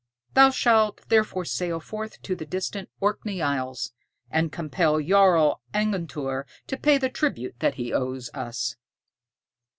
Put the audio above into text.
Thou shalt therefore sail forth to the distant Orkney Isles, and compel Jarl Angantyr to pay the tribute that he owes us."